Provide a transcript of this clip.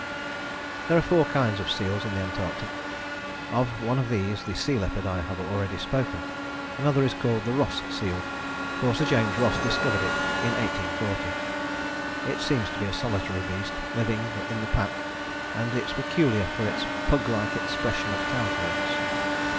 There are four kinds of seal in the Antarctic; of one of these, the sea leopard, I have already spoken. Another is called the Ross seal, for Sir James Ross discovered it in 1840. It seems to be a solitary beast, living in the pack, and is peculiar for its "pug like expression of countenance."